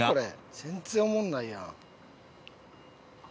全然おもんないやん。